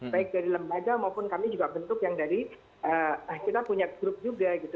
baik dari lembaga maupun kami juga bentuk yang dari kita punya grup juga gitu